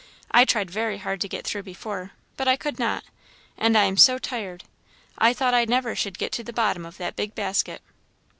I tried very hard to get through before, but I could not; and I am so tired! I thought I never should get to the bottom of that big basket."